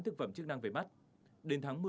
thực phẩm chức năng về mắt đến tháng một mươi